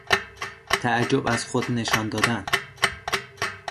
تعجب از خود نشان دادن